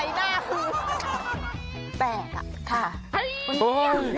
จนน่วงใบหน้าคือแตกอะ